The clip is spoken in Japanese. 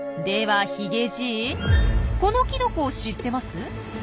ではヒゲじいこのキノコ知ってます？